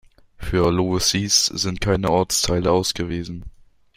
Für Lovosice sind keine Ortsteile ausgewiesen.